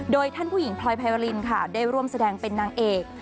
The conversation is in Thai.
โดยท่านผู้หญิงพลอยไพรวรินค่ะได้ร่วมแสดงเป็นนางเอก